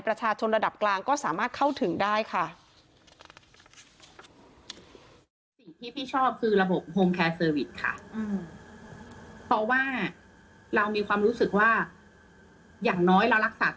ประชาชนระดับกลางก็สามารถเข้าถึงได้ค่ะ